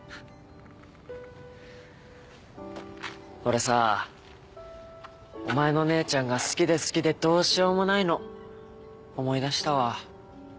俺さお前の姉ちゃんが好きで好きでどうしようもないの思い出したわ。